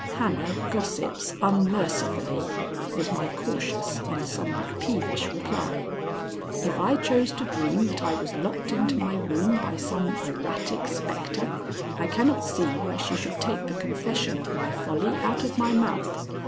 "Hannah gossips unmercifully," was my cautious and somewhat peevish reply. "If I chose to dream that I was locked into my room by some erratic spectre, I cannot see why she should take the confession of my folly out of my mouth.